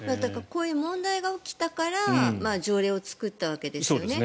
こういう問題が起きたから条例を作ったわけですよね。